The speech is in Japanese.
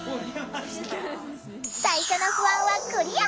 最初の不安はクリア！